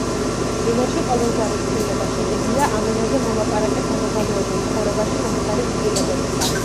ენაში ყოველგვარი ცვლილება შედეგია ამ ენაზე მოლაპარაკე საზოგადოებრივ ცხოვრებაში მომხდარი ცვლილებებისა.